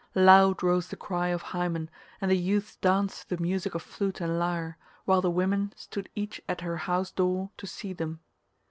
Loud rose the cry of Hymen, and the youths danced to the music of flute and lyre, while the women stood each at her house door to see them.